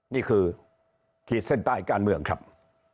นี่คือขีดเส้นใต้การเมืองครับ